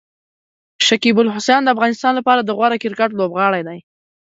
شکيب الحسن د افغانستان لپاره د غوره کرکټ لوبغاړی دی.